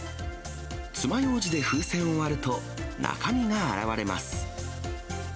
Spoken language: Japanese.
つまようじで風船を割ると、中身が現れます。